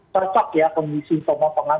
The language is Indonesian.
cocok ya kondisi pemotongan